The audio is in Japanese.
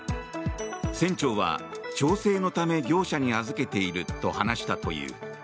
船長は、調整のため業者に預けていると話したという。